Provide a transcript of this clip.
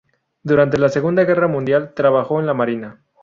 Durante la segunda guerra mundial trabajó en la marina.